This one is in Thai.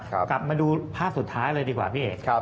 กลับมาดูภาพสุดท้ายเลยดีกว่าพี่เอก